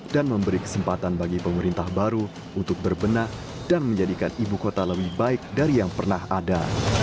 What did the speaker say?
dan memberi kesempatan bagi pemerintah baru untuk berbenah dan menjadikan ibu kota lebih baik dari yang pernah ada